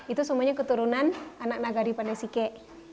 itu semuanya keturunan anak nagari pandai sike